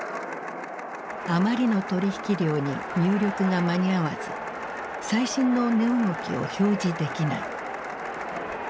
あまりの取引量に入力が間に合わず最新の値動きを表示できない。